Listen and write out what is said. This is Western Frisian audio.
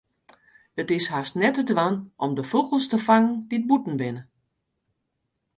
It is hast net te dwaan om de fûgels te fangen dy't bûten binne.